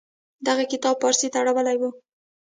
دغه کتاب پارسي ته اړولې و.